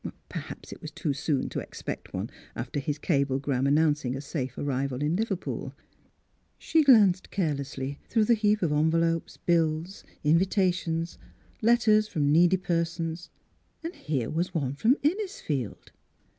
Perhaps it was too soon to expect one, after his cablegram announcing a safe arrival in Liverpool. She glanced carelessly through the heap of envelopes, bills, invitations, letters Mdss Philura's Wedding Gown from needy persons — and here was one from Innisfield.